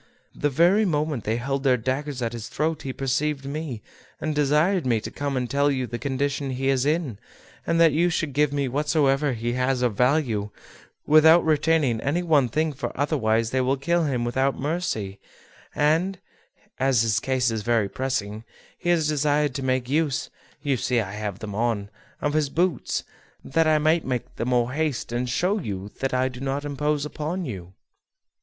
The very moment they held their daggers at his throat he perceived me, and desired me to come and tell you the condition he is in, and that you should give me whatsoever he has of value, without retaining any one thing; for otherwise they will kill him without mercy; and, as his case is very pressing, he desired me to make use (you see I have them on) of his boots, that I might make the more haste and to show you that I do not impose upon you."